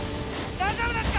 大丈夫ですか？